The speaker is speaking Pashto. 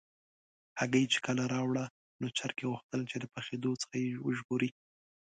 هګۍ چې کله راوړه، نو چرګې غوښتل چې د پخېدو څخه یې وژغوري.